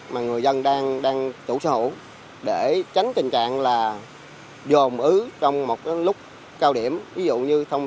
mà người dân đang chủ sở hữu để tránh tình trạng là dồn ứ trong một lúc cao điểm ví dụ như thông